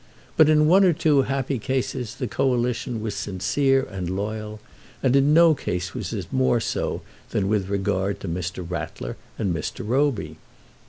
But in one or two happy cases the Coalition was sincere and loyal, and in no case was this more so than with regard to Mr. Rattler and Mr. Roby.